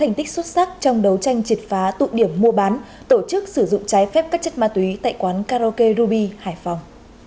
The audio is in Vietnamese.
thành tích xuất sắc trong đấu tranh triệt phá tụ điểm mua bán tổ chức sử dụng trái phép các chất ma túy tại quán karaoke ruby hải phòng